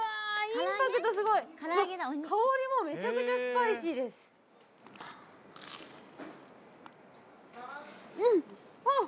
インパクトすごい香りもめちゃくちゃスパイシーですうんあっ